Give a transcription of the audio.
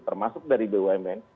termasuk dari bumn